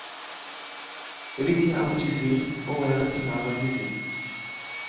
Ele tem algo a dizer ou ela tem algo a dizer.